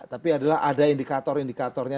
tapi adalah ada indikator indikatornya